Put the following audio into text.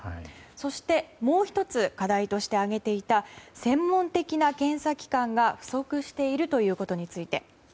そして、もう１つ課題として挙げていた専門的な検査機関が不足しているということについて。